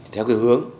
theo cái hướng